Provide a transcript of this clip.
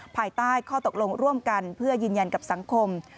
ภายใต้ข้อตกลงร่วมกันเพื่อยืนยันกับสังคม